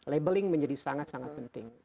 labeling menjadi sangat sangat penting